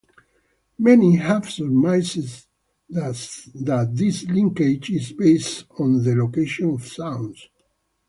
Many have surmised that this linkage is based on the location of sounds.